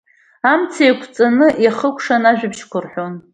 Амца еиқәҵаны, иахыкәшаны ажәабжьқәа рҳәон.